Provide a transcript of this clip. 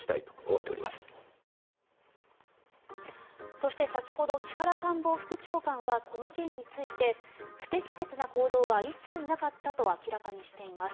そして、先ほど木原官房副長官はこの件について不適切な行動は一切なかったと明らかにしています。